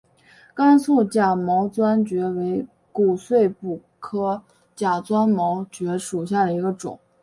甘肃假钻毛蕨为骨碎补科假钻毛蕨属下的一个种。